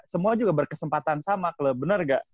semua juga berkesempatan sama bener gak